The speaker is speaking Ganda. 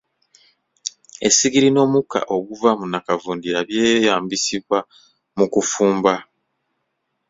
Essigiri n'omukka oguva mu nnakavundira by'eyambisibwa mu kufumba.